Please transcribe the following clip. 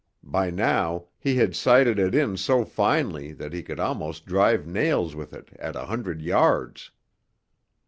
By now he had sighted it in so finely that he could almost drive nails with it at a hundred yards.